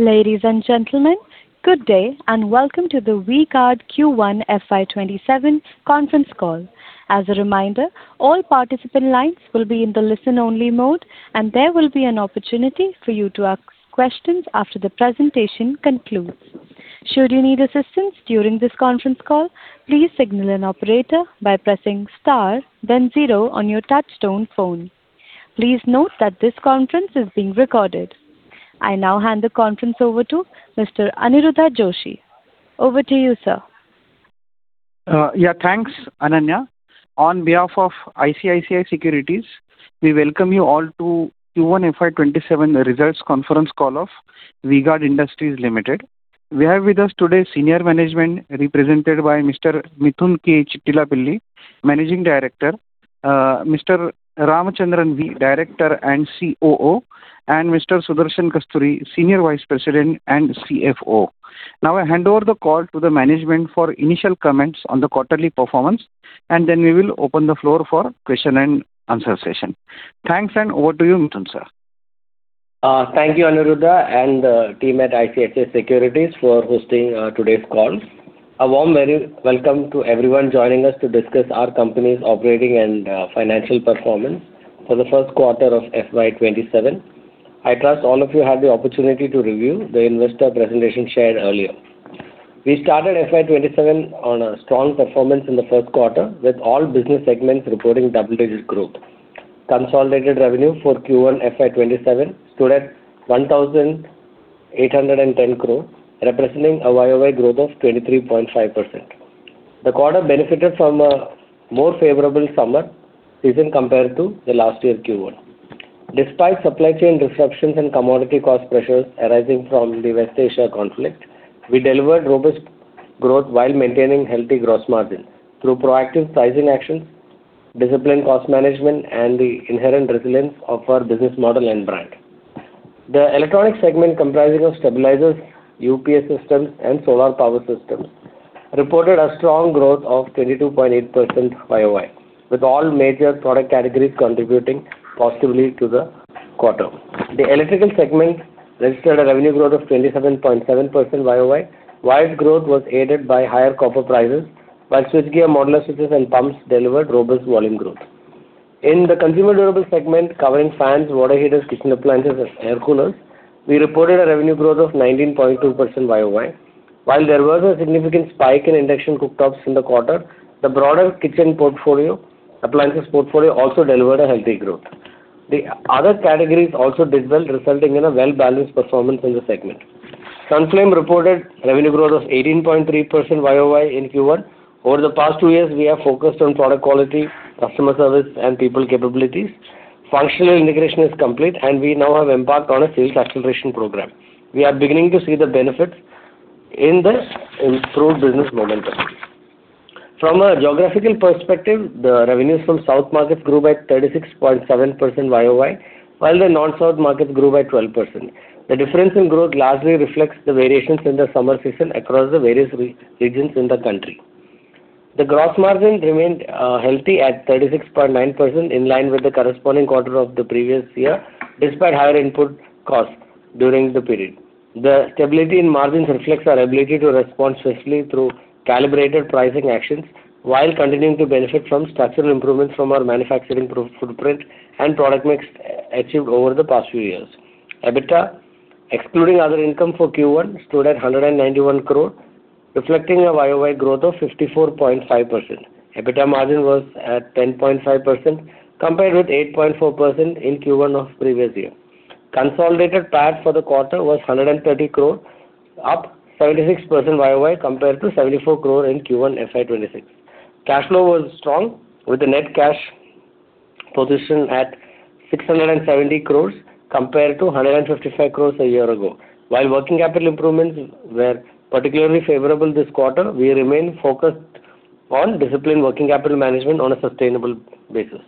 Ladies and gentlemen, good day and welcome to the V-Guard Q1 FY 2027 conference call. As a reminder, all participant lines will be in the listen-only mode, and there will be an opportunity for you to ask questions after the presentation concludes. Should you need assistance during this conference call, please signal an operator by pressing star then zero on your touchtone phone. Please note that this conference is being recorded. I now hand the conference over to Mr. Aniruddha Joshi. Over to you, sir. Thanks, Ananya. On behalf of ICICI Securities, we welcome you all to Q1 FY 2027 results conference call of V-Guard Industries Limited. We have with us today senior management represented by Mr. Mithun K. Chittilappilly, Managing Director, Mr. Ramachandran V, Director and COO, and Mr. Sudarshan Kasturi, Senior Vice President and CFO. I hand over the call to the management for initial comments on the quarterly performance, then we will open the floor for question and answer session. Thanks, over to you, Mithun, sir. Thank you, Aniruddha, team at ICICI Securities for hosting today's call. A warm welcome to everyone joining us to discuss our company's operating and financial performance for the first quarter of FY 2027. I trust all of you had the opportunity to review the investor presentation shared earlier. We started FY 2027 on a strong performance in the first quarter, with all business segments reporting double-digit growth. Consolidated revenue for Q1 FY 2027 stood at 1,810 crore, representing a Y-o-Y growth of 23.5%. The quarter benefited from a more favorable summer season compared to the last year Q1. Despite supply chain disruptions and commodity cost pressures arising from the West Asia conflict, we delivered robust growth while maintaining healthy gross margin through proactive pricing actions, disciplined cost management, and the inherent resilience of our business model and brand. The electronic segment, comprising of stabilizers, UPS systems, and solar power systems, reported a strong growth of 22.8% Y-o-Y, with all major product categories contributing positively to the quarter. The electrical segment registered a revenue growth of 27.7% Y-o-Y, while growth was aided by higher copper prices, while switchgear, modular switches, and pumps delivered robust volume growth. In the consumer durables segment covering fans, water heaters, kitchen appliances, and air coolers, we reported a revenue growth of 19.2% Y-o-Y. While there was a significant spike in induction cooktops in the quarter, the broader kitchen appliances portfolio also delivered a healthy growth. The other categories also did well, resulting in a well-balanced performance in the segment. Sunflame reported revenue growth of 18.3% Y-o-Y in Q1. Over the past two years, we have focused on product quality, customer service, and people capabilities. Functional integration is complete, and we now have embarked on a sales acceleration program. We are beginning to see the benefits in the improved business momentum. From a geographical perspective, the revenues from South markets grew by 36.7% Y-o-Y, while the non-South markets grew by 12%. The difference in growth largely reflects the variations in the summer season across the various regions in the country. The gross margin remained healthy at 36.9%, in line with the corresponding quarter of the previous year, despite higher input costs during the period. The stability in margins reflects our ability to respond swiftly through calibrated pricing actions while continuing to benefit from structural improvements from our manufacturing footprint and product mix achieved over the past few years. EBITDA, excluding other income for Q1, stood at 191 crore, reflecting a Y-o-Y growth of 54.5%. EBITDA margin was at 10.5%, compared with 8.4% in Q1 of previous year. Consolidated PAT for the quarter was 130 crore, up 76% Y-o-Y compared to 74 crore in Q1 FY 2026. Cash flow was strong, with the net cash position at 670 crore compared to 155 crore a year ago. While working capital improvements were particularly favorable this quarter, we remain focused on disciplined working capital management on a sustainable basis.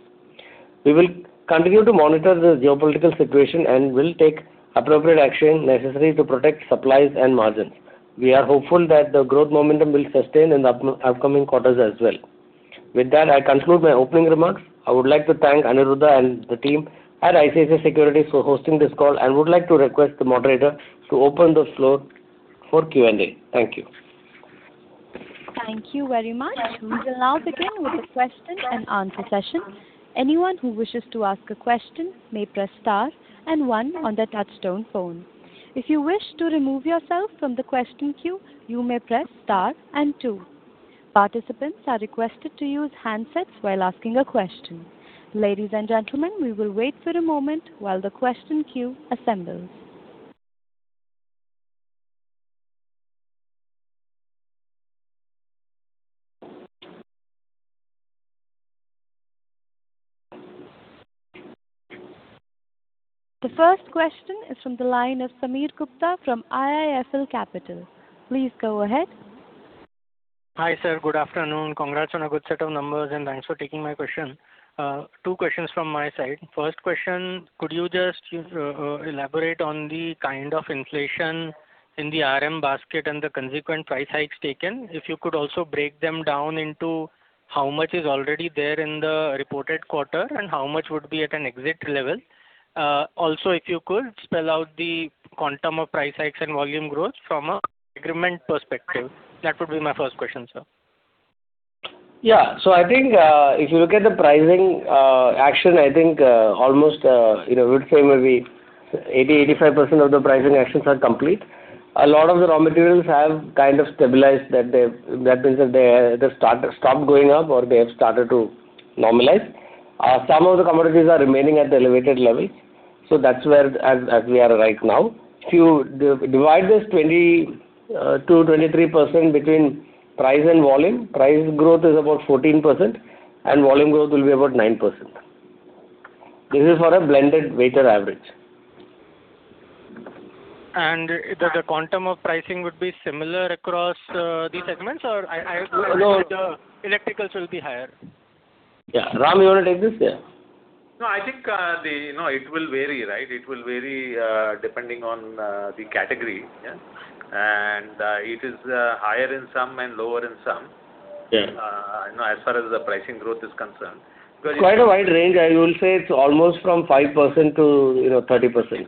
We will continue to monitor the geopolitical situation and will take appropriate action necessary to protect supplies and margins. We are hopeful that the growth momentum will sustain in the upcoming quarters as well. With that, I conclude my opening remarks. I would like to thank Aniruddha and the team at ICICI Securities for hosting this call and would like to request the moderator to open the floor for Q&A. Thank you. Thank you very much. We will now begin with the question and answer session. Anyone who wishes to ask a question may press star and one on their touchtone phone. If you wish to remove yourself from the question queue, you may press star and two. Participants are requested to use handsets while asking a question. Ladies and gentlemen, we will wait for a moment while the question queue assembles. The first question is from the line of Sameer Gupta from IIFL Capital. Please go ahead. Hi, sir. Good afternoon. Congrats on a good set of numbers and thanks for taking my question. Two questions from my side. First question, could you just elaborate on the kind of inflation in the RM basket and the consequent price hikes taken, if you could also break them down into how much is already there in the reported quarter and how much would be at an exit level. Also, if you could spell out the quantum of price hikes and volume growth from an agreement perspective. That would be my first question, sir. Yeah. I think if you look at the pricing action, I think almost, we'd say maybe 80%-85% of the pricing actions are complete. A lot of the raw materials have kind of stabilized. That means that they have stopped going up, or they have started to normalize. Some of the commodities are remaining at the elevated level. That's where we are right now. If you divide this 22%-23% between price and volume, price growth is about 14%, and volume growth will be about 9%. This is for a blended weighted average. The quantum of pricing would be similar across the segments? I would imagine the electricals will be higher. Yeah. Ram, you want to take this? Yeah. No, I think it will vary, right? It will vary depending on the category. Yeah. It is higher in some and lower in some. Yeah. As far as the pricing growth is concerned. It's quite a wide range. I will say it's almost from 5% to 30%.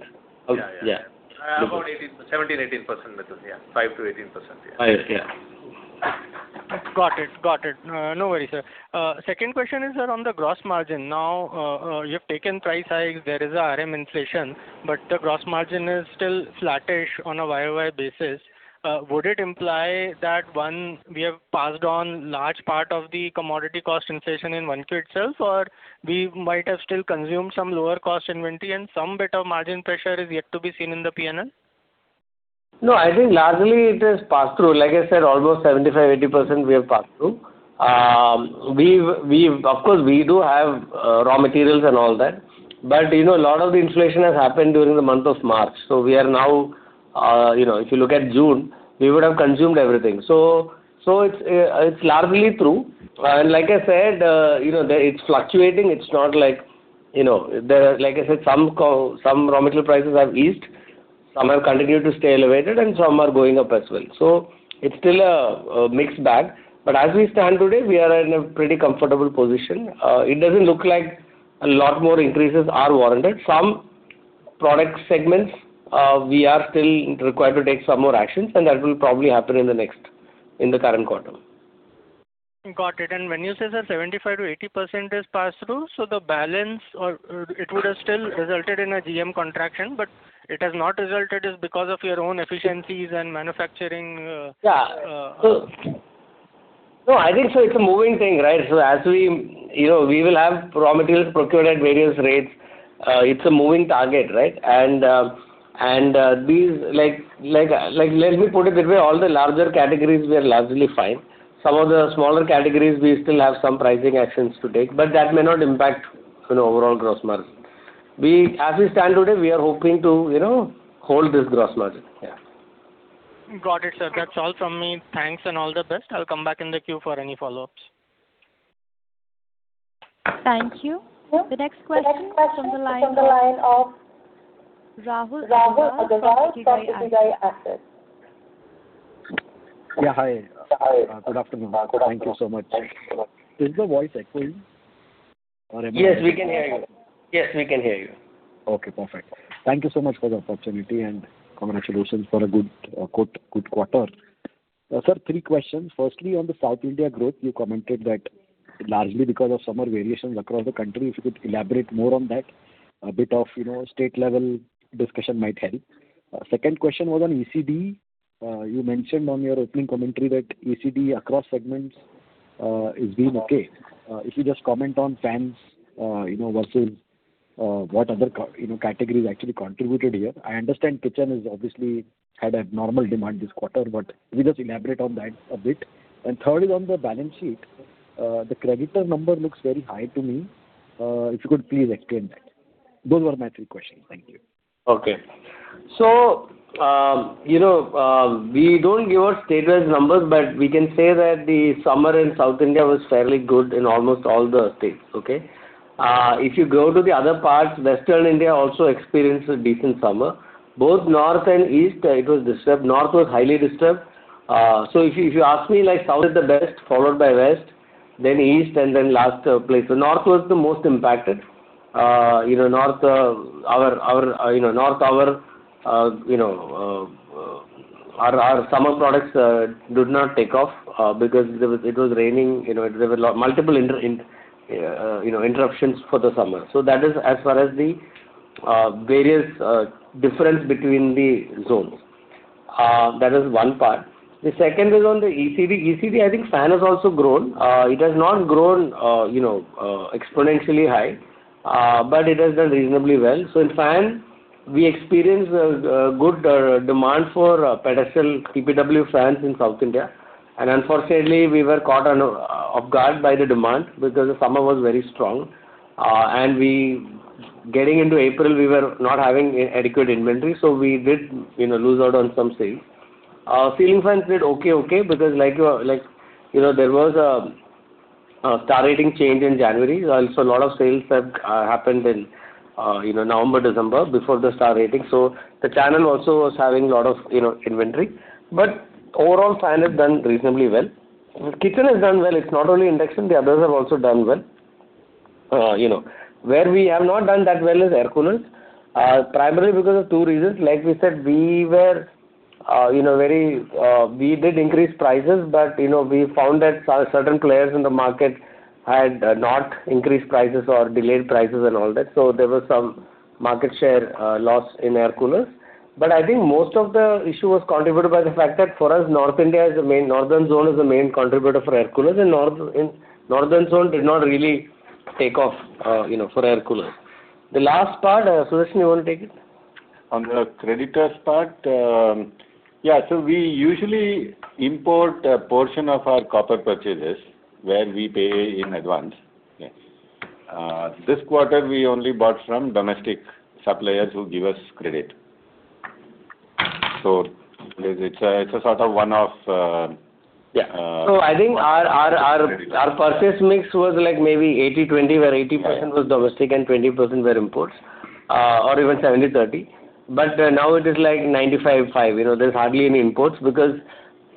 Yeah. Yeah. About 17%, 18% maybe. Yeah, 5% to 18%. Yeah. Yeah. Got it. No worries, sir. Second question is on the gross margin. Now, you have taken price hikes, there is a RM inflation, but the gross margin is still flattish on a Y-o-Y basis. Would it imply that, one, we have passed on large part of the commodity cost inflation in 1Q itself, or we might have still consumed some lower cost inventory and some bit of margin pressure is yet to be seen in the P&L? I think largely it is passed through. Like I said, almost 75%-80% we have passed through. Of course, we do have raw materials and all that, but a lot of the inflation has happened during the month of March. If you look at June, we would have consumed everything. It's largely through. Like I said, it's fluctuating. Like I said, some raw material prices have eased, some have continued to stay elevated, and some are going up as well. It's still a mixed bag. As we stand today, we are in a pretty comfortable position. It doesn't look like a lot more increases are warranted. Some product segments we are still required to take some more actions, and that will probably happen in the current quarter. Got it. When you say, sir, 75%-80% is passed through, the balance, it would have still resulted in a GM contraction, but it has not resulted is because of your own efficiencies and manufacturing. I think sir, it's a moving thing, right? We will have raw materials procured at various rates. It's a moving target, right? Let me put it this way, all the larger categories, we are largely fine. Some of the smaller categories, we still have some pricing actions to take, but that may not impact overall gross margin. As we stand today, we are hoping to hold this gross margin. Got it, sir. That's all from me. Thanks and all the best. I'll come back in the queue for any follow-ups. Thank you. The next question is from the line of Rahul Agarwal from Ikigai Asset. Yeah. Hi. Hi. Good afternoon. Good afternoon. Thank you so much. Is the voice echoing or am I. Yes, we can hear you. Okay, perfect. Thank you so much for the opportunity, and congratulations for a good quarter. Sir, three questions. Firstly, on the South India growth, you commented that largely because of summer variations across the country. If you could elaborate more on that, a bit of state-level discussion might help. Second question was on ECD. You mentioned on your opening commentary that ECD across segments is being okay. If you just comment on fans versus what other categories actually contributed here. I understand kitchen obviously had abnormal demand this quarter, but could you just elaborate on that a bit? Third is on the balance sheet. The creditor number looks very high to me. If you could please explain that. Those were my three questions. Thank you. Okay. We don't give out state-wise numbers, but we can say that the summer in South India was fairly good in almost all the states. Okay? If you go to the other parts, Western India also experienced a decent summer. Both North and East, it was disturbed. North was highly disturbed. If you ask me, South is the best, followed by West, then East, and then last place. North was the most impacted. North, our summer products did not take off because it was raining. There were multiple interruptions for the summer. That is as far as the various difference between the zones. That is one part. The second is on the ECD. ECD, I think fan has also grown. It has not grown exponentially high, but it has done reasonably well. In fans, we experienced a good demand for pedestal TPW fans in South India. Unfortunately, we were caught off guard by the demand because the summer was very strong. Getting into April, we were not having adequate inventory, so we did lose out on some sales. Ceiling fans did okay because there was a Star rating change in January. Also, a lot of sales have happened in November, December, before the Star rating. The channel also was having a lot of inventory. Overall, fan has done reasonably well. Kitchen has done well. It's not only induction, the others have also done well. Where we have not done that well is air coolers, primarily because of two reasons. Like we said, we did increase prices, but we found that certain players in the market had not increased prices or delayed prices and all that. There was some market share loss in air coolers. I think most of the issue was contributed by the fact that for us, North India is the Northern Zone is the main contributor for air coolers. Northern Zone did not really take off for air coolers. The last part, Sudarshan, you want to take it? On the creditors part. We usually import a portion of our copper purchases where we pay in advance. Yes. This quarter, we only bought from domestic suppliers who give us credit. It's a sort of one-off. Yeah. I think our purchase mix was maybe 80/20, where 80% was domestic and 20% were imports, or even 70/30. Now it is like 95/5. There's hardly any imports because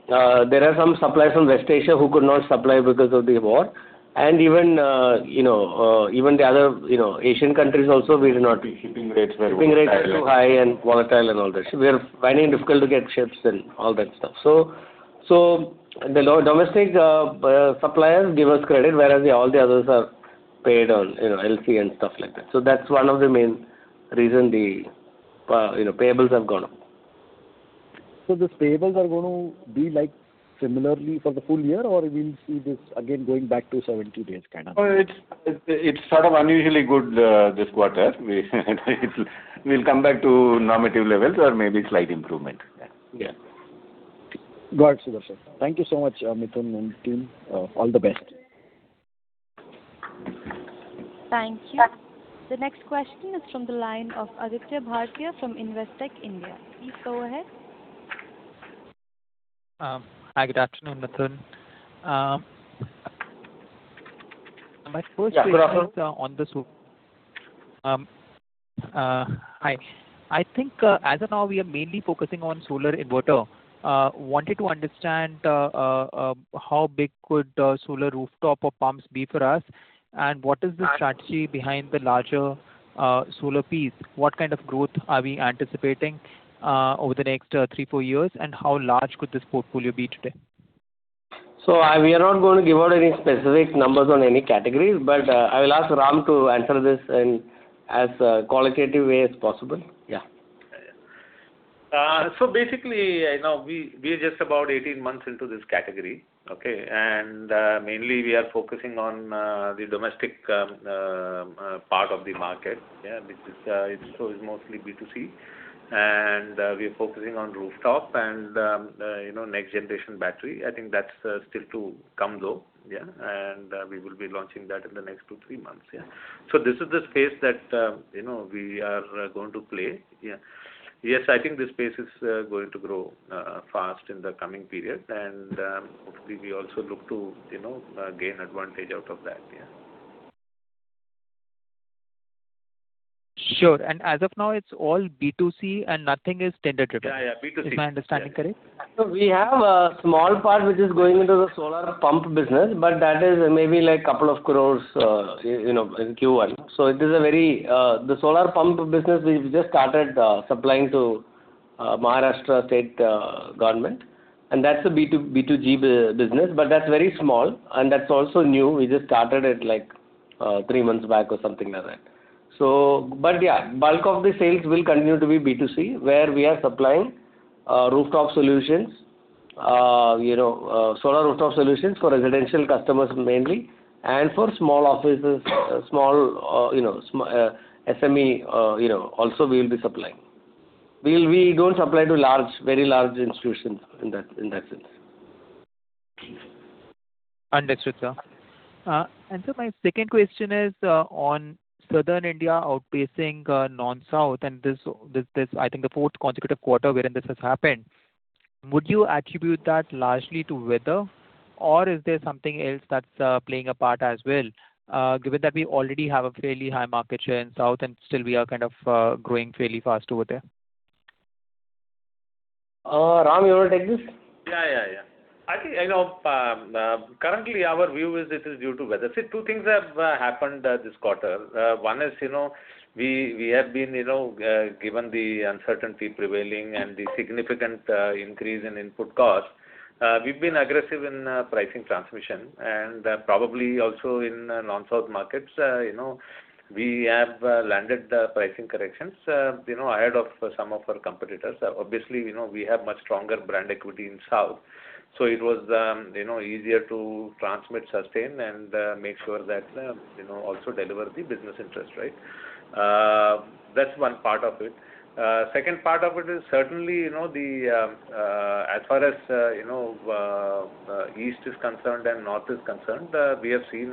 there are some suppliers from West Asia who could not supply because of the war. Even the other Asian countries also, we're not. Shipping rates were. Shipping rates were high and volatile and all that. We're finding it difficult to get ships and all that stuff. The domestic suppliers give us credit, whereas all the others are paid on LC and stuff like that. That's one of the main reason the payables have gone up. These payables are going to be similarly for the full year, or we'll see this again going back to 70 days? No, it's sort of unusually good this quarter. We will come back to normative levels or maybe slight improvement. Yeah. Yeah. Got it, Sudarshan. Thank you so much, Mithun and team. All the best. Thank you. The next question is from the line of Aditya Bhartia from Investec India. Please go ahead. Hi, good afternoon, Mithun. My first question is on. Hi. I think as of now, we are mainly focusing on solar inverter. Wanted to understand how big could solar rooftop or pumps be for us, and what is the strategy behind the larger solar piece? What kind of growth are we anticipating over the next three, four years, and how large could this portfolio be today? We are not going to give out any specific numbers on any categories, but I will ask Ram to answer this in as qualitative way as possible. Basically, we are just about 18 months into this category. Mainly, we are focusing on the domestic part of the market. It's mostly B2C, and we are focusing on rooftop and next-generation battery. I think that's still to come, though. We will be launching that in the next two, three months. This is the space that we are going to play. Yes, I think this space is going to grow fast in the coming period, and hopefully, we also look to gain advantage out of that. Sure. As of now, it's all B2C and nothing is tender-driven. B2C. Is my understanding correct? We have a small part which is going into the solar pump business, but that is maybe couple of crores in Q1. The solar pump business, we've just started supplying to Government of Maharashtra, and that's a B2G business, but that's very small and that's also new. We just started it three months back or something like that. Yeah, bulk of the sales will continue to be B2C, where we are supplying rooftop solutions, solar rooftop solutions for residential customers mainly, and for small offices, small SME, also we will be supplying. We don't supply to very large institutions in that sense. Understood, sir. Sir, my second question is on Southern India outpacing non-South, and this, I think the fourth consecutive quarter wherein this has happened. Would you attribute that largely to weather, or is there something else that's playing a part as well, given that we already have a fairly high market share in South and still we are kind of growing fairly fast over there? Ram, you want to take this? Yeah. Currently, our view is this is due to weather. Two things have happened this quarter. One is, given the uncertainty prevailing and the significant increase in input cost, we've been aggressive in pricing transmission, and probably also in non-South markets, we have landed the pricing corrections ahead of some of our competitors. Obviously, we have much stronger brand equity in South. It was easier to transmit sustain and make sure that also deliver the business interest, right? That's one part of it. Second part of it is certainly, as far as East is concerned and North is concerned, we have seen.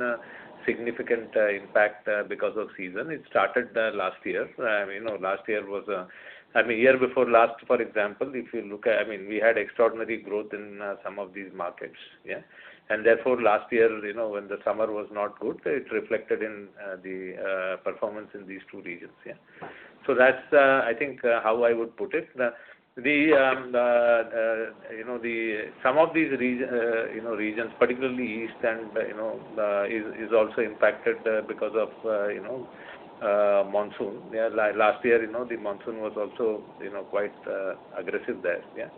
Significant impact because of season. It started last year. A year before last, for example, we had extraordinary growth in some of these markets. Yeah. Therefore last year, when the summer was not good, it reflected in the performance in these two regions. Yeah. That's, I think, how I would put it. Some of these regions, particularly East, is also impacted because of monsoon. Last year, the monsoon was also quite aggressive there. Yeah.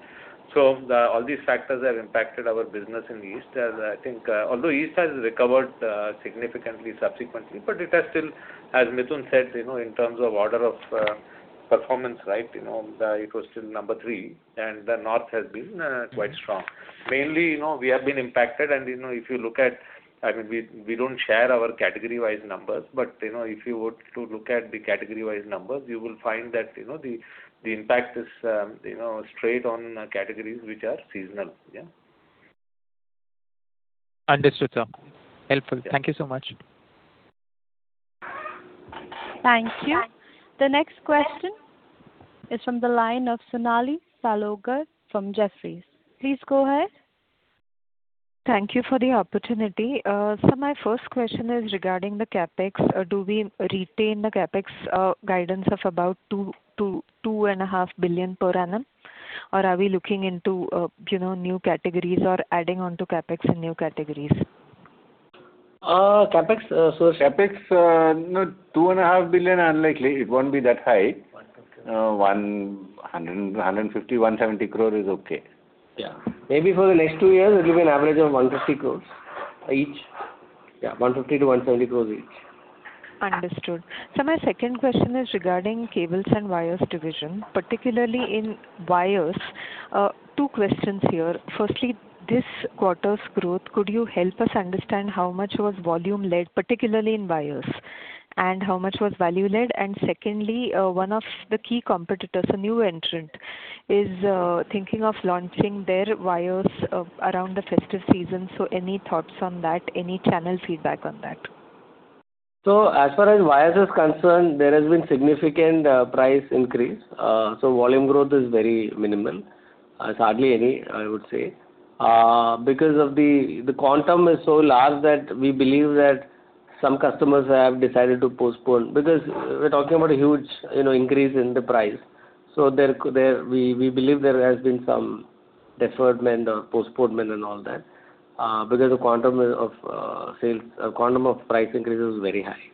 All these factors have impacted our business in the East. Although East has recovered significantly subsequently, but it has still, as Mithun said, in terms of order of performance, it was still number three, and the North has been quite strong. Mainly, we have been impacted, and if you look at. We don't share our category-wise numbers, but if you were to look at the category-wise numbers, you will find that the impact is straight on categories which are seasonal. Yeah. Understood, sir. Helpful. Thank you so much. Thank you. The next question is from the line of Sonali Salgaonkar from Jefferies. Please go ahead. Thank you for the opportunity. Sir, my first question is regarding the CapEx. Do we retain the CapEx guidance of about 2.5 billion per annum? Or are we looking into new categories or adding on to CapEx in new categories? CapEx. CapEx, 2.5 billion, unlikely. It won't be that high. 150 crore, 170 crore is okay. Yeah. Maybe for the next two years, it'll be an average of 150 crores each. Yeah, 150 crores-170 crores each. Understood. Sir, my second question is regarding cables and wires division, particularly in wires. Two questions here. Firstly, this quarter's growth, could you help us understand how much was volume-led, particularly in wires, and how much was value-led? Secondly, one of the key competitors, a new entrant, is thinking of launching their wires around the festive season. Any thoughts on that? Any channel feedback on that? As far as wires is concerned, there has been significant price increase. Volume growth is very minimal. It's hardly any, I would say. Because the quantum is so large that we believe that some customers have decided to postpone, because we're talking about a huge increase in the price. We believe there has been some deferment or postponement and all that, because the quantum of price increase is very high.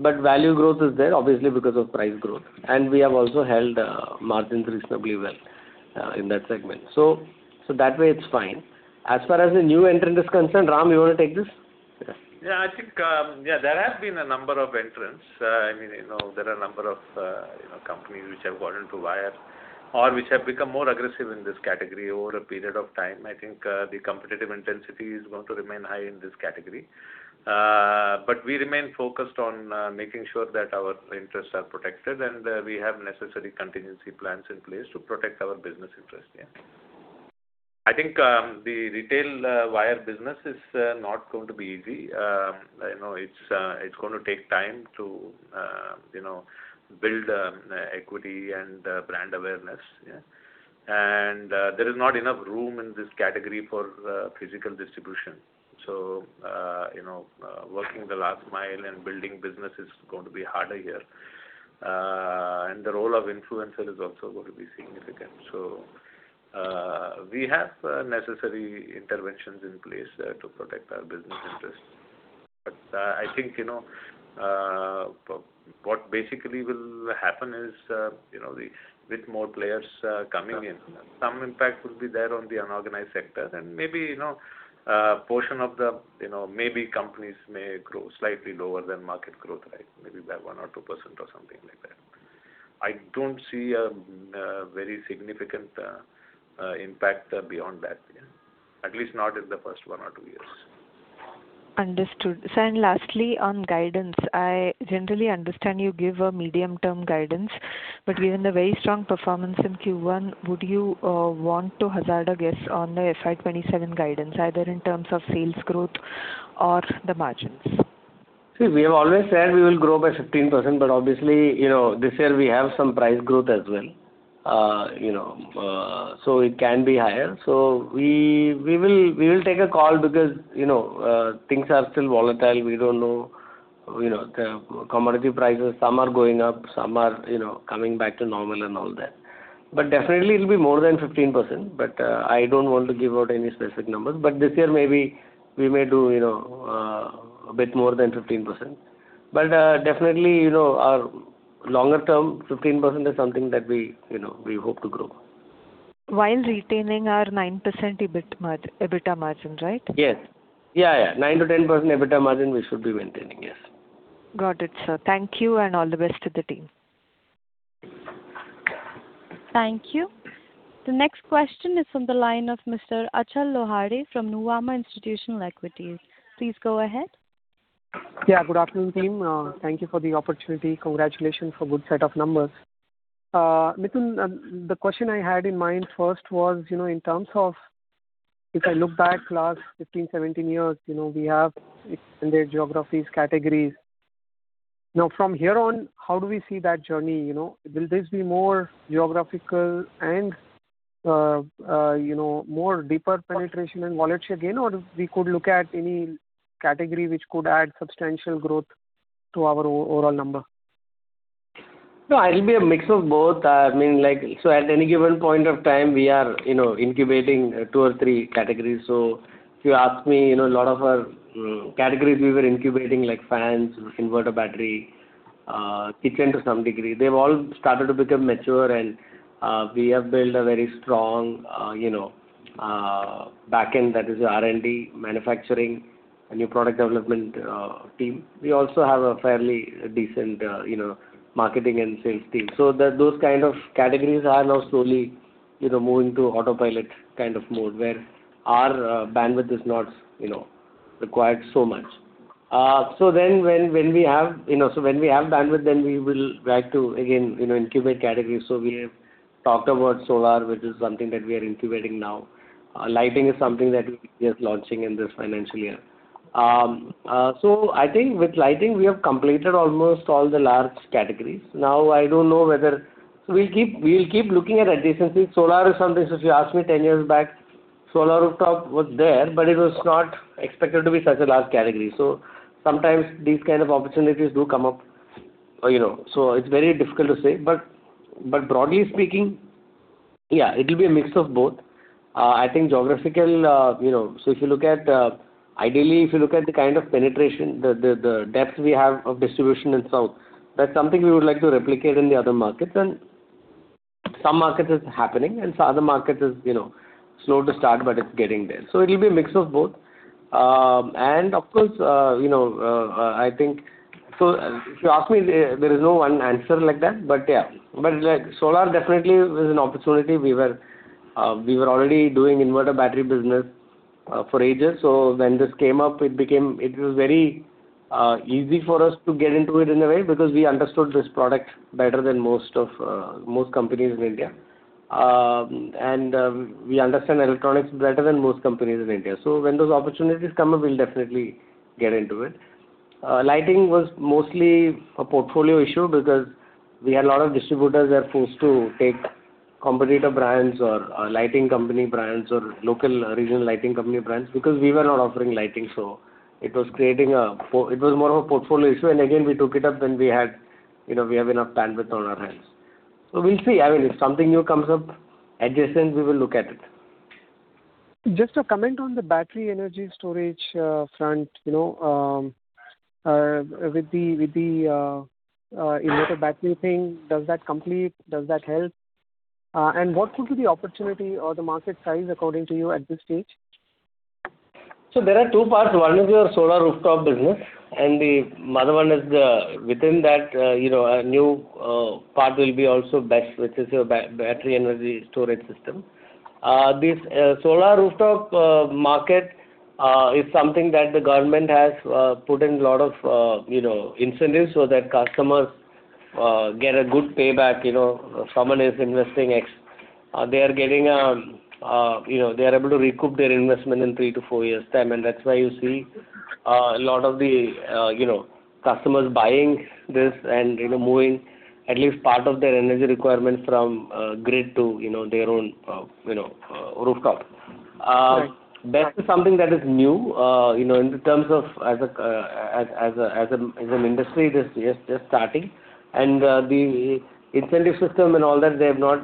Value growth is there, obviously, because of price growth. We have also held margins reasonably well in that segment. That way, it's fine. As far as the new entrant is concerned, Ram, you want to take this? Yeah, there have been a number of entrants. There are a number of companies which have got into wire or which have become more aggressive in this category over a period of time. I think the competitive intensity is going to remain high in this category. We remain focused on making sure that our interests are protected, and we have necessary contingency plans in place to protect our business interest. Yeah. I think the retail wire business is not going to be easy. It's going to take time to build equity and brand awareness. Yeah. There is not enough room in this category for physical distribution. Working the last mile and building business is going to be harder here. The role of influencer is also going to be significant. We have necessary interventions in place to protect our business interests. I think what basically will happen is, with more players coming in, some impact will be there on the unorganized sector and maybe a portion of the companies may grow slightly lower than market growth rate, maybe by one or two percent or something like that. I don't see a very significant impact beyond that. At least not in the first one or two years. Understood. Sir, lastly, on guidance, I generally understand you give a medium-term guidance, but given the very strong performance in Q1, would you want to hazard a guess on the FY 2027 guidance, either in terms of sales growth or the margins? See, we have always said we will grow by 15%, obviously, this year we have some price growth as well. It can be higher. We will take a call because things are still volatile. We don't know the commodity prices. Some are going up, some are coming back to normal and all that. Definitely it'll be more than 15%, but I don't want to give out any specific numbers. This year maybe we may do a bit more than 15%. Definitely, our longer term, 15% is something that we hope to grow. While retaining our 9% EBITDA margin, right? Yes. Yeah. 9%-10% EBITDA margin we should be maintaining. Yes. Got it, sir. Thank you and all the best to the team. Thank you. The next question is from the line of Mr. Achal Lohade from Nuvama Institutional Equities. Please go ahead. Good afternoon, team. Thank you for the opportunity. Congratulations for good set of numbers. Mithun, the question I had in mind first was, if I look back last 15, 17 years, we have extended geographies, categories. Now from here on, how do we see that journey? Will this be more geographical and more deeper penetration and wallets again, or we could look at any category which could add substantial growth to our overall number? It'll be a mix of both. At any given point of time, we are incubating two or three categories. If you ask me, a lot of our categories we were incubating, like fans, inverter battery, kitchen to some degree, they've all started to become mature and we have built a very strong back end, that is R&D, manufacturing, a new product development team. We also have a fairly decent marketing and sales team. Those kind of categories are now slowly moving to autopilot kind of mode, where our bandwidth is not required so much. When we have bandwidth, then we will like to again incubate categories. We have talked about solar, which is something that we are incubating now. Lighting is something that we'll be just launching in this financial year. I think with lighting, we have completed almost all the large categories. We'll keep looking at adjacencies. Solar is something. If you asked me 10 years back, solar rooftop was there, but it was not expected to be such a large category. Sometimes these kind of opportunities do come up. It's very difficult to say, but broadly speaking, it'll be a mix of both. If you look at, ideally, if you look at the kind of penetration, the depth we have of distribution in South, that's something we would like to replicate in the other markets, and some markets it's happening, and other markets it's slow to start, but it's getting there. It'll be a mix of both. Of course, if you ask me, there is no one answer like that, but. Solar definitely was an opportunity. We were already doing inverter battery business for ages. When this came up, it was very easy for us to get into it in a way, because we understood this product better than most companies in India. We understand electronics better than most companies in India. When those opportunities come up, we'll definitely get into it. Lighting was mostly a portfolio issue because we had a lot of distributors who are forced to take competitor brands or lighting company brands or local regional lighting company brands because we were not offering lighting. It was more of a portfolio issue. Again, we took it up when we have enough bandwidth on our hands. We'll see. If something new comes up, adjacent, we will look at it. Just a comment on the battery energy storage front. With the inverter battery thing, does that complete, does that help? What could be the opportunity or the market size according to you at this stage? There are two parts. One is your solar rooftop business, and the other one is, within that, a new part will be also BESS, which is your battery energy storage system. This solar rooftop market is something that the government has put in lot of incentives so that customers get a good payback. Someone is investing X, they are able to recoup their investment in three to four years time. That's why you see a lot of the customers buying this and moving at least part of their energy requirements from grid to their own rooftop. Right. BESS is something that is new. In terms of as an industry, it is just starting. The incentive system and all that, they've not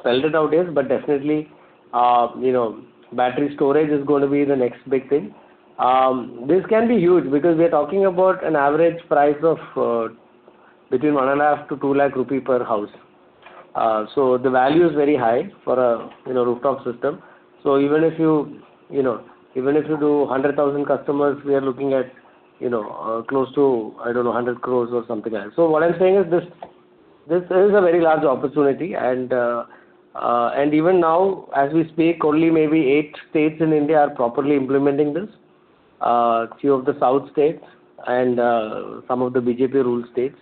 spelled it out yet, but definitely, battery storage is going to be the next big thing. This can be huge because we are talking about an average price of between 1.5 lakh to 2 lakh rupee per house. The value is very high for a rooftop system. Even if you do 100,000 customers, we are looking at close to, I don't know, 100 crore or something else. What I'm saying is this is a very large opportunity, and even now as we speak, only maybe eight states in India are properly implementing this. A few of the South states and some of the BJP-ruled states.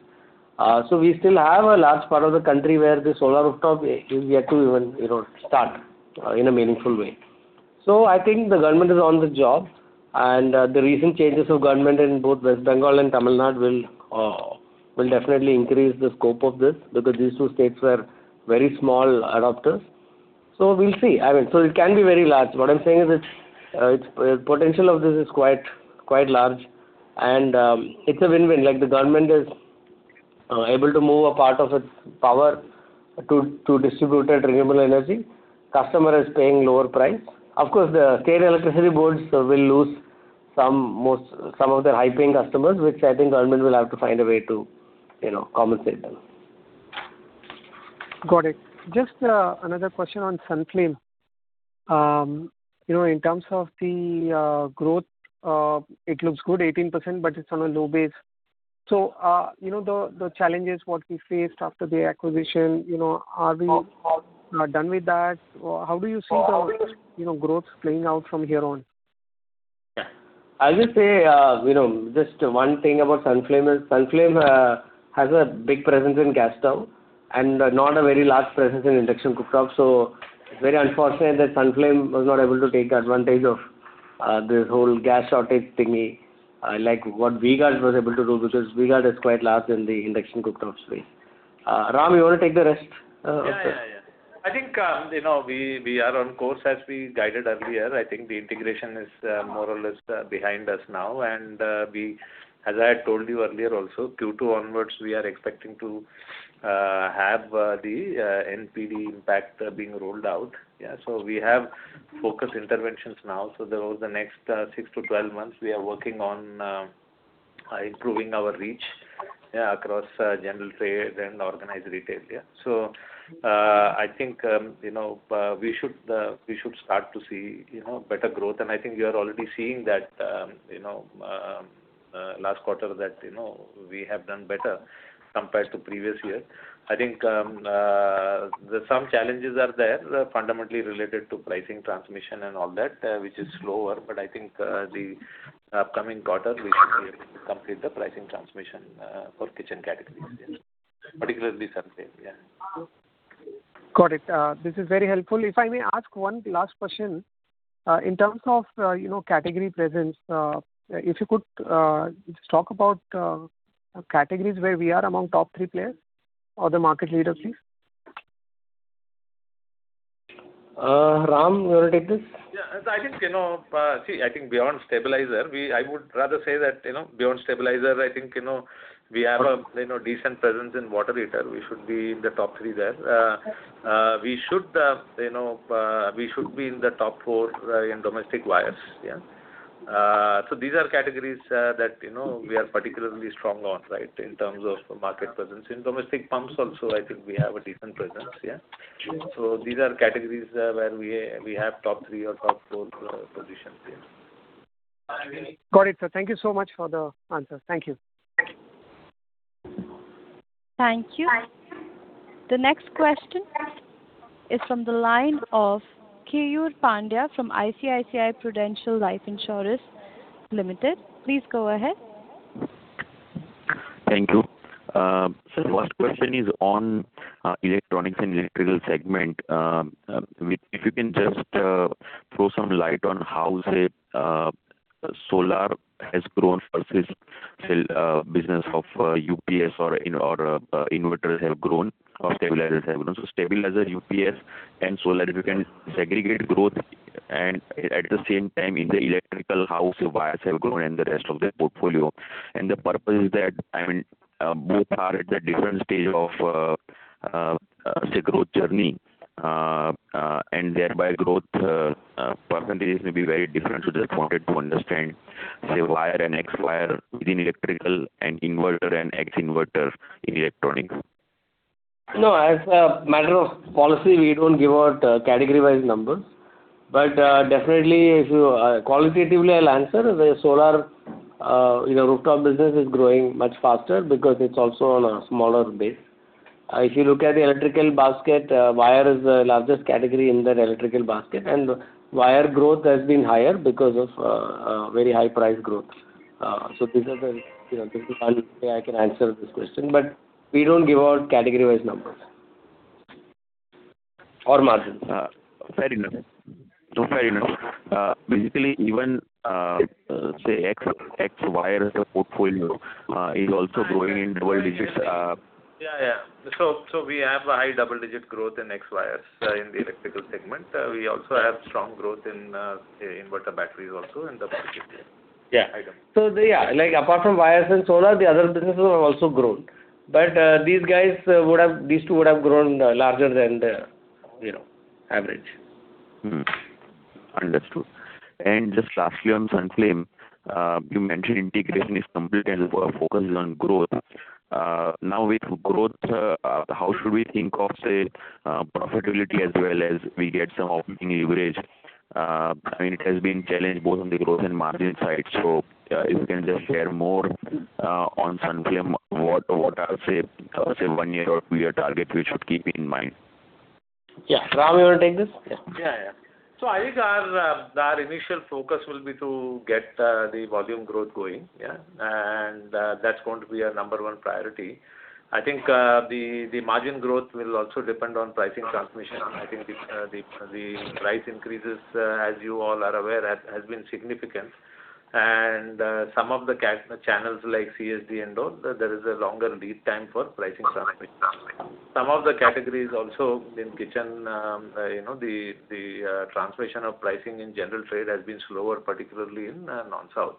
We still have a large part of the country where the solar rooftop is yet to even start in a meaningful way. I think the government is on the job, and the recent changes of government in both West Bengal and Tamil Nadu will definitely increase the scope of this, because these two states were very small adopters. We'll see. It can be very large. What I'm saying is the potential of this is quite large and it's a win-win. The government is able to move a part of its power to distributed renewable energy. Customer is paying lower price. Of course, the state electricity boards will lose some of their high-paying customers, which I think government will have to find a way to compensate them. Got it. Just another question on Sunflame. In terms of the growth, it looks good, 18%, but it's on a low base. The challenges what we faced after the acquisition, are we done with that? How do you see the growth playing out from here on? Yeah. I'll just say, just one thing about Sunflame is Sunflame has a big presence in gas stove and not a very large presence in induction cooktops. Very unfortunate that Sunflame was not able to take advantage of this whole gas shortage thingy, like what V-Guard was able to do, because V-Guard is quite large in the induction cooktops space. Ram, you want to take the rest? I think we are on course as we guided earlier. I think the integration is more or less behind us now, and as I had told you earlier also, Q2 onwards, we are expecting to have the NPD impact being rolled out. We have focused interventions now. Throughout the next 6-12 months, we are working on improving our reach across general trade and organized retail. I think we should start to see better growth, and I think you are already seeing that last quarter that we have done better compared to previous year. I think some challenges are there, fundamentally related to pricing transmission and all that, which is slower, but I think the upcoming quarter we should be able to complete the pricing transmission for kitchen categories. Particularly Sunflame. Got it. This is very helpful. If I may ask one last question. In terms of category presence, if you could just talk about categories where we are among top three players or the market leaders, please. Ram, you want to take this? See, I think beyond stabilizer, I would rather say that beyond stabilizer, I think we have a decent presence in water heater. We should be in the top three there. Okay. We should be in the top four in domestic wires. These are categories that we are particularly strong on, in terms of market presence. In domestic pumps also, I think we have a decent presence. Sure. These are categories where we have top three or top four positions. Got it, sir. Thank you so much for the answers. Thank you. Thank you. The next question is from the line of Keyur Pandya from ICICI Prudential Life Insurance Limited. Please go ahead. Thank you. Sir, first question is on electronics and electrical segment. If you can just throw some light on how, say, solar has grown versus business of UPS or inverters have grown, or stabilizers have grown. Stabilizer, UPS, and solar, if you can segregate growth and at the same time in the electrical, how the wires have grown and the rest of the portfolio. The purpose is that, both are at the different stage of growth journey, and thereby growth percentage may be very different. Just wanted to understand, say, wire and X wire within electrical and inverter and X inverter in electronics. No. As a matter of policy, we don't give out category-wise numbers. Definitely, qualitatively I'll answer. The solar rooftop business is growing much faster because it's also on a smaller base. If you look at the electrical basket, wire is the largest category in that electrical basket, and wire growth has been higher because of very high price growth. These are the only way I can answer this question, but we don't give out category-wise numbers or margins. Fair enough. Basically, even, say, X wire as a portfolio is also growing in double digits. Yeah. We have a high double-digit growth in X wires in the electrical segment. We also have strong growth in inverter batteries also in the portfolio. Yeah. Apart from wires and solar, the other businesses have also grown. These two would have grown larger than the average. Understood. Just lastly on Sunflame, you mentioned integration is complete and focus is on growth. Now with growth, how should we think of, say, profitability as well as we get some operating leverage? It has been challenged both on the growth and margin side. If you can just share more on Sunflame, what are, say, one-year or two-year target we should keep in mind? Yeah. Ram, you want to take this? Yeah. I think our initial focus will be to get the volume growth going, and that's going to be our number one priority. I think the margin growth will also depend on pricing transmission. I think the price increases, as you all are aware, has been significant. Some of the channels like CSD and all, there is a longer lead time for pricing transmission. Some of the categories also in kitchen, the transmission of pricing in general trade has been slower, particularly in non-South.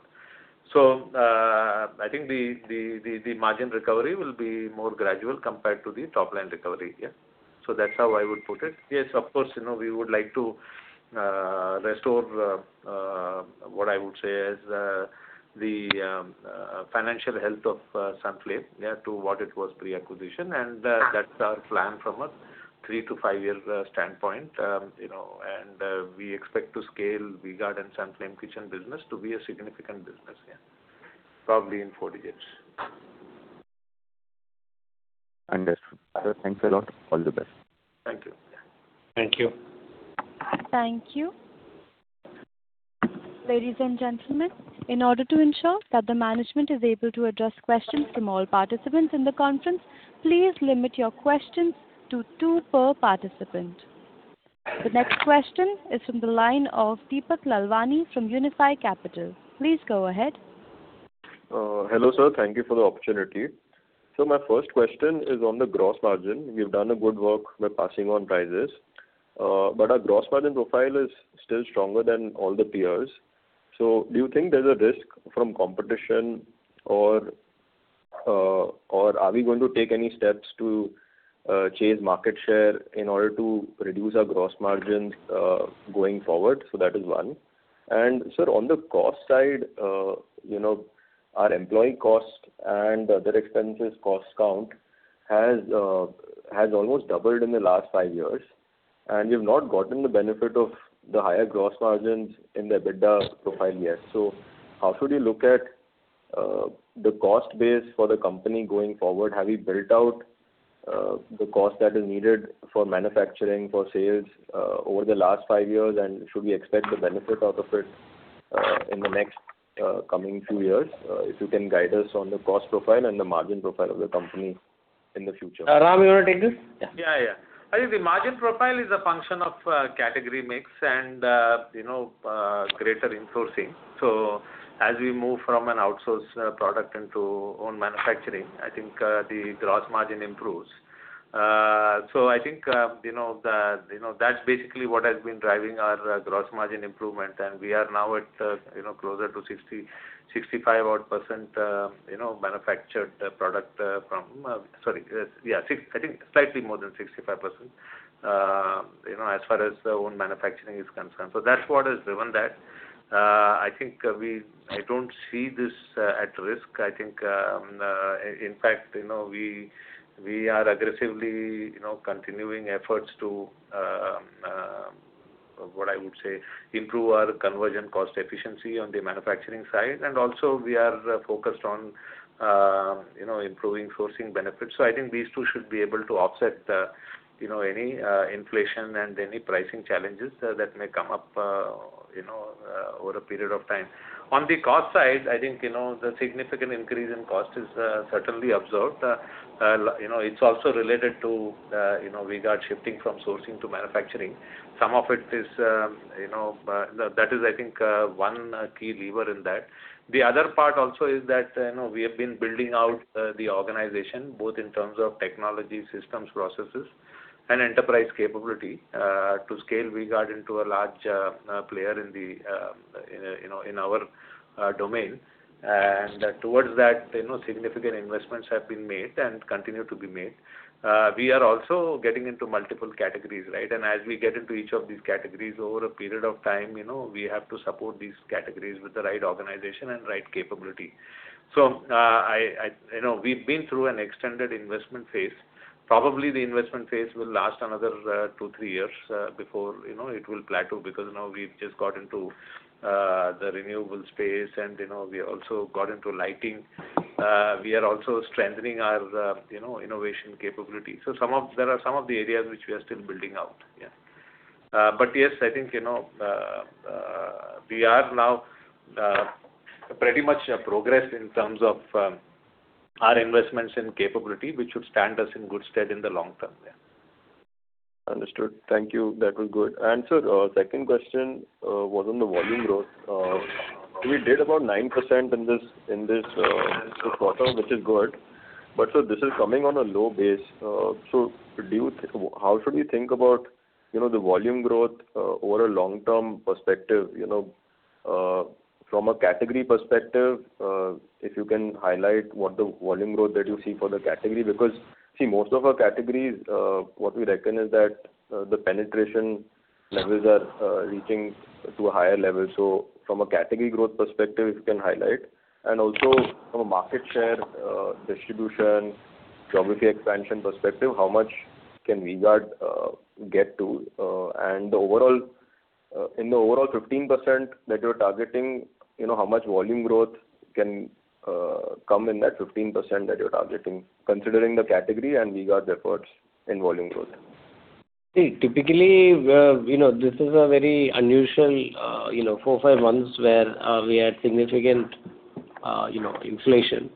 I think the margin recovery will be more gradual compared to the top-line recovery. That's how I would put it. Yes, of course, we would like to restore what I would say as the financial health of Sunflame to what it was pre-acquisition, and that's our plan from a three to five-year standpoint. We expect to scale V-Guard and Sunflame kitchen business to be a significant business. Probably in four digits. Understood. Thanks a lot. All the best. Thank you. Thank you. Thank you. Ladies and gentlemen, in order to ensure that the management is able to address questions from all participants in the conference, please limit your questions to two per participant. The next question is from the line of Deepak Lalwani from Unifi Capital. Please go ahead. Hello, sir. Thank you for the opportunity. My first question is on the gross margin. You've done a good work by passing on prices, our gross margin profile is still stronger than all the peers. Do you think there's a risk from competition, or are we going to take any steps to change market share in order to reduce our gross margins going forward? That is one. Sir, on the cost side, our employee cost and other expenses cost count has almost doubled in the last five years, and we've not gotten the benefit of the higher gross margins in the EBITDA profile yet. How should we look at the cost base for the company going forward? Have we built out the cost that is needed for manufacturing, for sales over the last five years, should we expect the benefit out of it in the next coming few years? If you can guide us on the cost profile and the margin profile of the company in the future. Ram, you want to take this? Yeah. The margin profile is a function of category mix and greater in-sourcing. As we move from an outsourced product into own manufacturing, I think the gross margin improves. I think that's basically what has been driving our gross margin improvement, and we are now at closer to 60%-65% odd manufactured product from Sorry. Yeah, I think slightly more than 65%, as far as own manufacturing is concerned. That's what has driven that. I think I don't see this at risk. I think, in fact, we are aggressively continuing efforts to, what I would say, improve our conversion cost efficiency on the manufacturing side. Also, we are focused on improving sourcing benefits. I think these two should be able to offset any inflation and any pricing challenges that may come up over a period of time. On the cost side, I think, the significant increase in cost is certainly observed. It's also related to V-Guard shifting from sourcing to manufacturing. That is, I think, one key lever in that. The other part also is that we have been building out the organization, both in terms of technology systems, processes, and enterprise capability to scale V-Guard into a large player in our domain. Towards that, significant investments have been made and continue to be made. We are also getting into multiple categories. As we get into each of these categories over a period of time, we have to support these categories with the right organization and right capability. We've been through an extended investment phase. Probably the investment phase will last another two, three years before it will plateau, because now we've just got into the renewable space and we also got into lighting. We are also strengthening our innovation capability. There are some of the areas which we are still building out. Yes, I think we are now pretty much progressed in terms of our investments in capability, which should stand us in good stead in the long term. Understood. Thank you. That was good. Sir, second question was on the volume growth. We did about 9% in this quarter, which is good. Sir, this is coming on a low base. How should we think about the volume growth over a long-term perspective, from a category perspective, if you can highlight what the volume growth that you see for the category? Because see, most of our categories, what we reckon is that the penetration levels are reaching to a higher level. From a category growth perspective, if you can highlight. Also from a market share distribution, geography expansion perspective, how much can V-Guard get to? In the overall 15% that you're targeting, how much volume growth can come in that 15% that you're targeting, considering the category and V-Guard efforts in volume growth? Typically, this is a very unusual four, five months where we had significant inflation.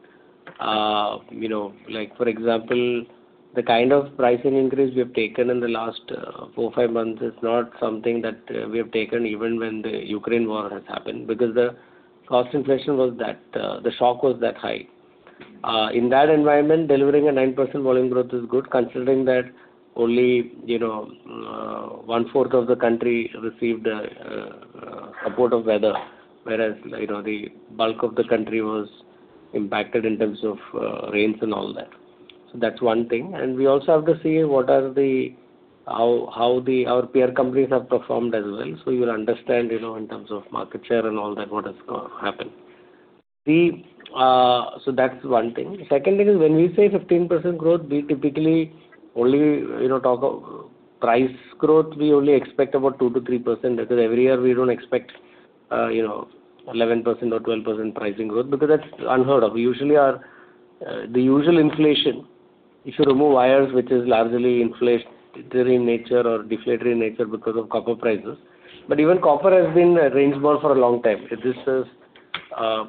For example, the kind of pricing increase we have taken in the last four, five months is not something that we have taken even when the Ukraine war has happened, because the cost inflation, the shock was that high. In that environment, delivering a 9% volume growth is good considering that only one-fourth of the country received a supportive weather, whereas the bulk of the country was impacted in terms of rains and all that. That's one thing. We also have to see how our peer companies have performed as well. You will understand in terms of market share and all that, what has happened. That's one thing. Second thing is when we say 15% growth, we typically only talk of price growth. We only expect about 2%-3% because every year we don't expect 11% or 12% pricing growth, because that's unheard of. The usual inflation, if you remove wires, which is largely inflationary in nature or deflationary in nature because of copper prices. Even copper has been range-bound for a long time. This has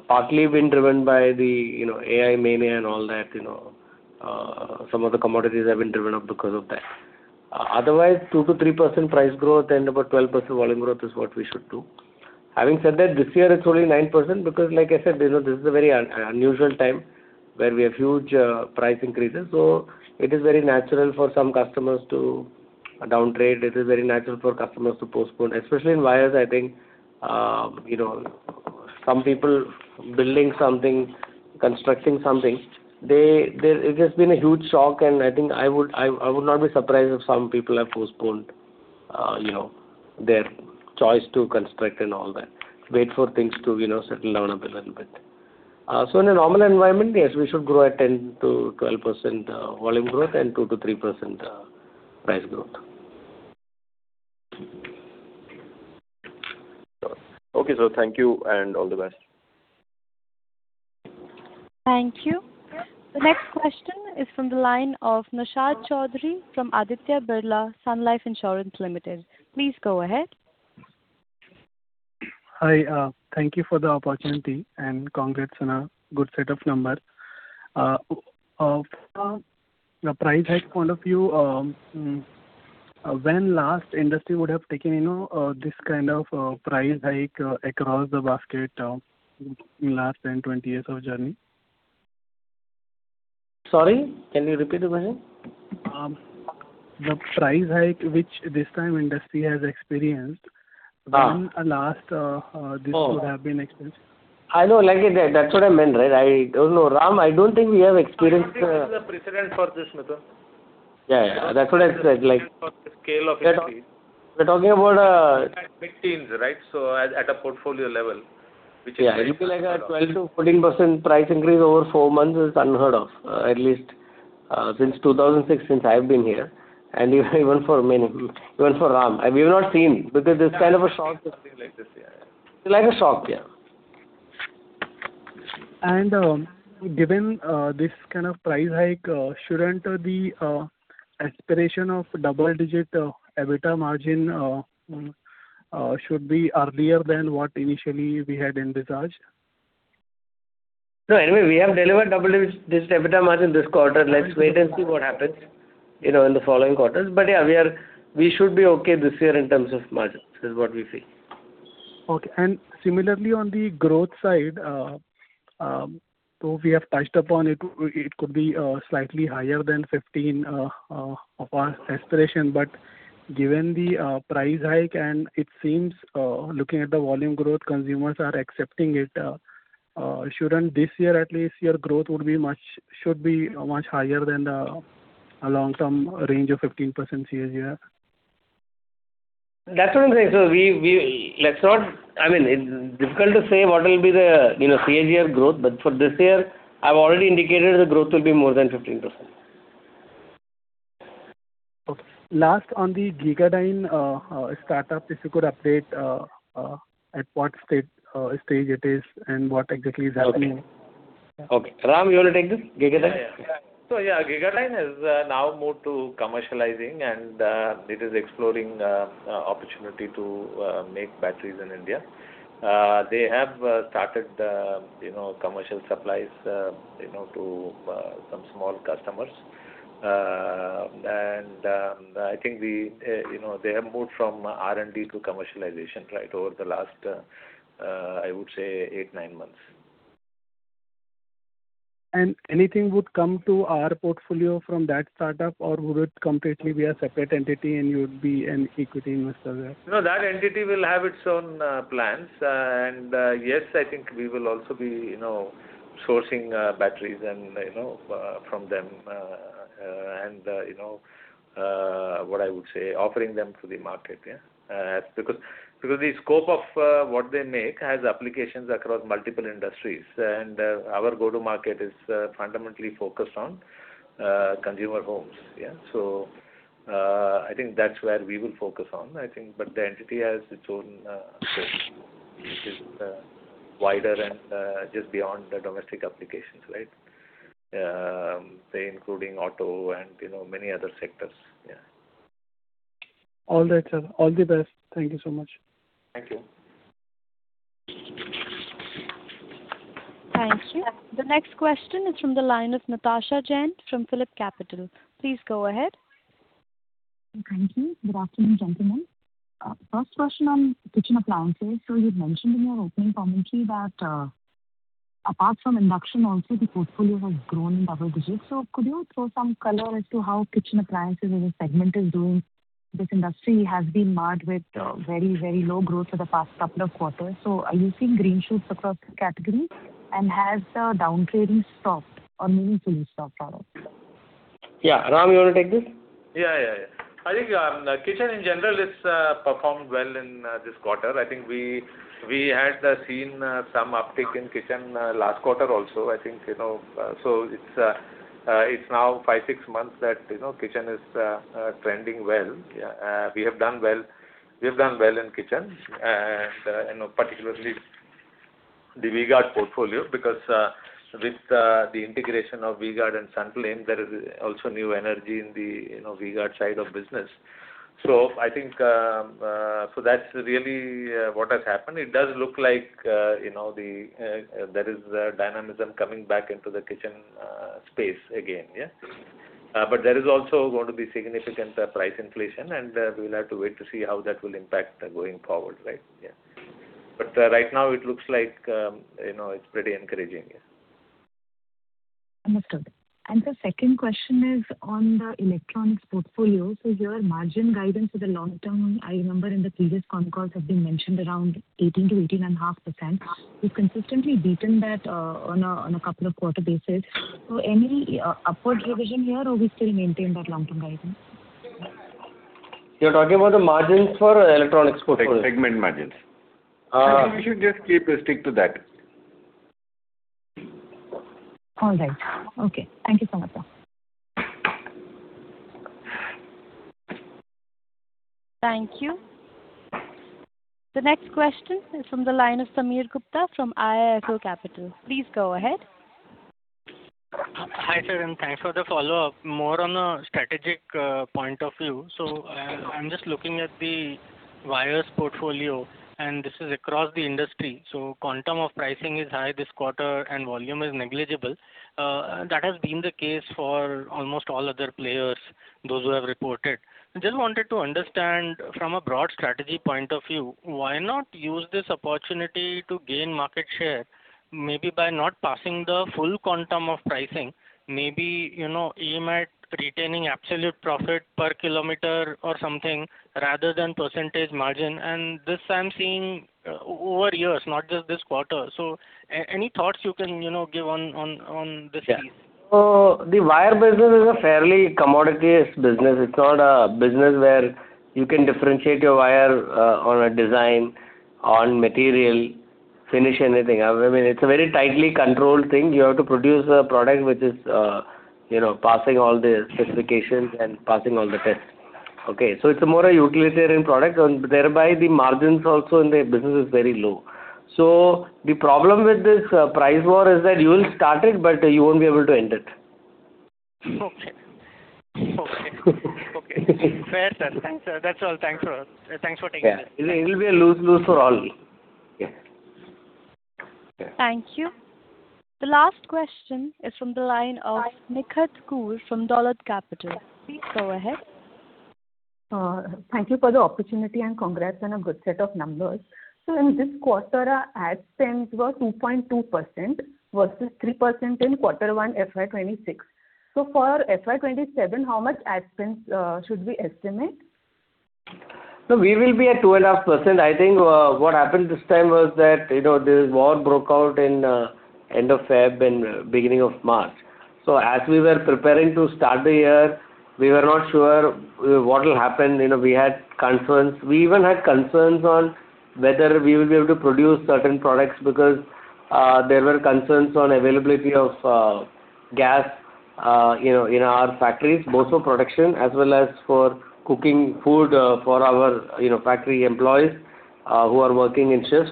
partly been driven by the AI mania and all that. Some of the commodities have been driven up because of that. Otherwise, 2%-3% price growth and about 12% volume growth is what we should do. Having said that, this year it's only 9% because like I said, this is a very unusual time where we have huge price increases. It is very natural for some customers to down trade. It is very natural for customers to postpone, especially in wires, I think. Some people building something, constructing something, it has been a huge shock and I think I would not be surprised if some people have postponed their choice to construct and all that. Wait for things to settle down a little bit. In a normal environment, yes, we should grow at 10%-12% volume growth and 2%-3% price growth. Sure. Okay, sir. Thank you and all the best. Thank you. The next question is from the line of Naushad Chaudhary from Aditya Birla Sun Life Insurance Limited. Please go ahead. Hi. Thank you for the opportunity and congrats on a good set of numbers. From a price hike point of view, when last industry would have taken this kind of price hike across the basket in last 10, 20 years of journey? Sorry, can you repeat the question? The price hike which this time industry has experienced. When last this would have been experienced? I know. That's what I meant. I don't know, Ram, I don't think we have experienced. I don't think this is a precedent for this, Mithun. Yeah. That's what I said. Precedent for the scale of increase. We're talking about. We're talking about mid-teens, so at a portfolio level, which is very. Yeah. I think a 12%-14% price increase over four months is unheard of, at least since 2006 since I've been here, and even for many, even for Ram. We've not seen because this is kind of a shock. Nothing like this, yeah. It's like a shock, yeah. Given this kind of price hike, shouldn't the aspiration of double-digit EBITDA margin should be earlier than what initially we had envisaged? No. Anyway, we have delivered double-digit EBITDA margin this quarter. Let's wait and see what happens in the following quarters. Yeah, we should be okay this year in terms of margins, is what we feel. Okay. Similarly, on the growth side, though we have touched upon it could be slightly higher than 15% of our aspiration. Given the price hike, and it seems, looking at the volume growth, consumers are accepting it. Shouldn't this year, at least, your growth should be much higher than the long-term range of 15% CAGR? That's what I'm saying. I mean, it's difficult to say what will be the CAGR growth. For this year, I've already indicated the growth will be more than 15%. Okay. Last, on the GigaDyne startup, if you could update at what stage it is and what exactly is happening. Okay. Ram, you want to take this? GigaDyne? GigaDyne has now moved to commercializing, it is exploring opportunity to make batteries in India. They have started commercial supplies to some small customers. I think they have moved from R&D to commercialization over the last, I would say, eight, nine months. Anything would come to our portfolio from that startup, or would it completely be a separate entity and you would be an equity investor there? No, that entity will have its own plans. Yes, I think we will also be sourcing batteries from them, and what I would say, offering them to the market. The scope of what they make has applications across multiple industries, and our go-to market is fundamentally focused on consumer homes. I think that's where we will focus on. The entity has its own which is wider and just beyond the domestic applications. Including auto and many other sectors. All right, sir. All the best. Thank you so much. Thank you. Thank you. The next question is from the line of Natasha Jain from PhillipCapital. Please go ahead. Thank you. Good afternoon, gentlemen. First question on kitchen appliances. You'd mentioned in your opening commentary that apart from induction also the portfolio has grown in double digits. Could you throw some color as to how kitchen appliances as a segment is doing? This industry has been marred with very low growth for the past couple of quarters. Are you seeing green shoots across the category? Has the down trading stopped or meaning to stop for us? Ram, you want to take this? Yeah. I think kitchen in general, it's performed well in this quarter. I think we had seen some uptick in kitchen last quarter also. It's now five, six months that kitchen is trending well. We have done well in kitchen, and particularly the V-Guard portfolio, because with the integration of V-Guard and Sunflame, there is also new energy in the V-Guard side of business. That's really what has happened. It does look like there is dynamism coming back into the kitchen space again. There is also going to be significant price inflation, and we will have to wait to see how that will impact going forward. Right now it looks like it's pretty encouraging. Understood. The second question is on the electronics portfolio. Your margin guidance for the long term, I remember in the previous concalls have been mentioned around 18%-18.5%. You've consistently beaten that on a couple of quarter basis. Any upward revision here, or we still maintain that long-term guidance? You're talking about the margins for electronics portfolio? Segment margins. I think we should just stick to that. All right. Okay. Thank you so much, sir. Thank you. The next question is from the line of Sameer Gupta from IIFL Capital. Please go ahead. Hi, sir. Thanks for the follow-up. More on a strategic point of view. I'm just looking at the wires portfolio, and this is across the industry. Quantum of pricing is high this quarter and volume is negligible. That has been the case for almost all other players, those who have reported. Just wanted to understand from a broad strategy point of view, why not use this opportunity to gain market share? Maybe by not passing the full quantum of pricing, maybe aim at retaining absolute profit per kilometer or something, rather than percentage margin. This I'm seeing over years, not just this quarter. Any thoughts you can give on this please? Yeah. The wire business is a fairly commoditized business. It's not a business where you can differentiate your wire on a design, on material, finish, anything. I mean, it's a very tightly controlled thing. You have to produce a product which is passing all the specifications and passing all the tests. It's a more utilitarian product, and thereby the margins also in the business is very low. The problem with this price war is that you will start it, but you won't be able to end it. Okay. Fair, sir. Thanks. That's all. Thanks for taking it. Yeah. It'll be a lose-lose for all. Yeah. Thank you. The last question is from the line of Nikhar Koor from Dolat Capital. Please go ahead. Thank you for the opportunity. Congrats on a good set of numbers. In this quarter, ad spends were 2.2% versus 3% in quarter one FY 2026. For FY 2027, how much ad spends should we estimate? No, we will be at 2.5%. I think what happened this time was that, this war broke out in end of February and beginning of March. As we were preparing to start the year, we were not sure what will happen. We had concerns. We even had concerns on whether we will be able to produce certain products because there were concerns on availability of gas in our factories, both for production as well as for cooking food for our factory employees who are working in shifts.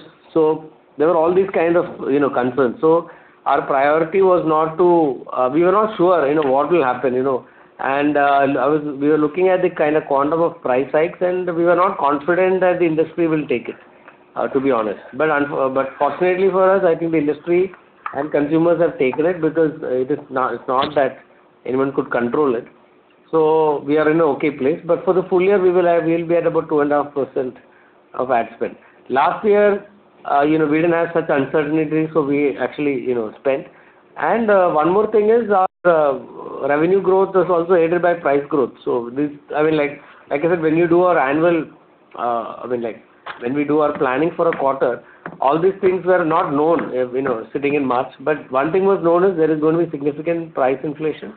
There were all these kinds of concerns. Our priority was not to. We were not sure what will happen. We were looking at the kind of quantum of price hikes, and we were not confident that the industry will take it, to be honest. Fortunately for us, I think the industry and consumers have taken it because it's not that anyone could control it. We are in an okay place. For the full year, we will be at about 2.5% of ad spend. Last year, we didn't have such uncertainty, we actually spent. One more thing is our revenue growth was also aided by price growth. Like I said, when you do our annual, when we do our planning for a quarter, all these things were not known, sitting in March. One thing was known is there is going to be significant price inflation.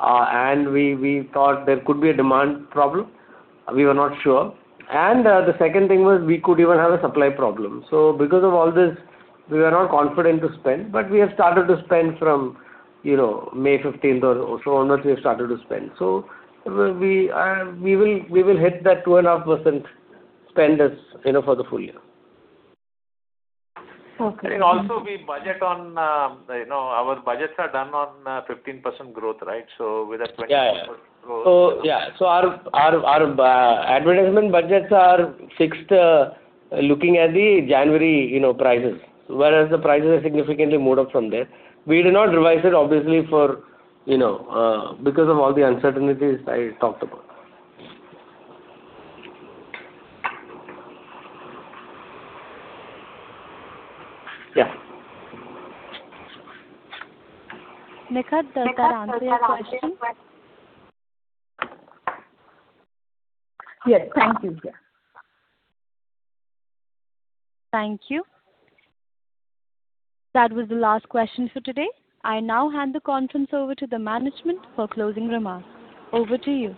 We thought there could be a demand problem. We were not sure. The second thing was we could even have a supply problem. Because of all this, we were not confident to spend, we have started to spend from May 15th or so onwards, we have started to spend. We will hit that 2.5% spend for the full year. Okay. Our budgets are done on 15% growth, right? With a 20% growth. Our advertisement budgets are fixed looking at the January prices, whereas the prices have significantly moved up from there. We did not revise it obviously, because of all the uncertainties I talked about. Nikhar, does that answer your question? Yes. Thank you. Thank you. That was the last question for today. I now hand the conference over to the management for closing remarks. Over to you.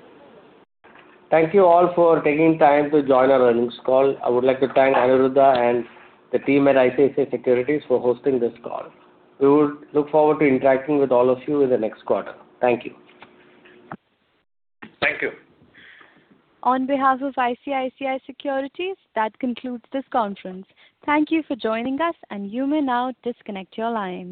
Thank you all for taking time to join our earnings call. I would like to thank Aniruddha and the team at ICICI Securities for hosting this call. We would look forward to interacting with all of you in the next quarter. Thank you. Thank you. On behalf of ICICI Securities, that concludes this conference. Thank you for joining us, and you may now disconnect your lines.